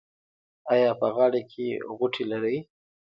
ایا په غاړه کې غوټې لرئ؟